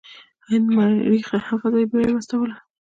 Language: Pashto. هند مریخ ته هم فضايي بیړۍ واستوله.